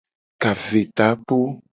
Ka ve takpo.